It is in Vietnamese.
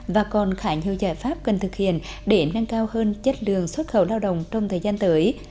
và còn khả nhiều giải pháp cần thực hiện để nâng cao hơn chất lượng xuất khẩu lao động trong thời gian tới